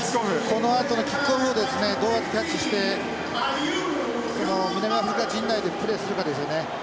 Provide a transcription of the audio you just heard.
このあとのキックオフをですねどうやってキャッチして南アフリカ陣内でプレーするかですよね。